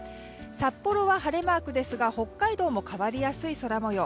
札幌は晴れマークですが北海道も変わりやすい空模様。